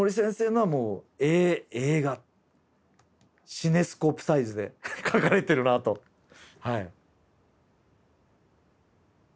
シネスコープサイズで描かれてるなとはい。